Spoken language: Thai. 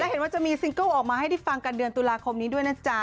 เห็นว่าจะมีซิงเกิ้ลออกมาให้ได้ฟังกันเดือนตุลาคมนี้ด้วยนะจ๊ะ